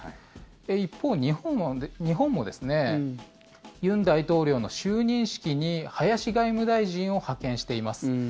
一方、日本もですね尹大統領の就任式に林外務大臣を派遣しています。